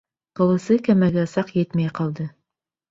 Ҡылысы кәмәгә саҡ етмәй ҡалды.